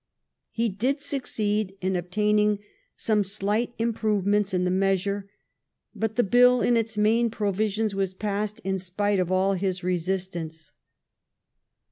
He did succeed in obtaining some slight improvements in the measure, but the bill in its main provisions was passed in spite of all his resistance.